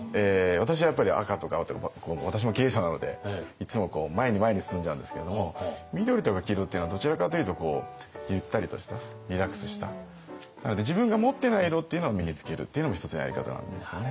私はやっぱり赤とか青とか私も経営者なのでいつも前に前に進んじゃうんですけれども緑とか黄色っていうのはどちらかというとゆったりとしたリラックスしたなので自分が持ってない色っていうのを身に着けるっていうのも一つのやり方なんですよね。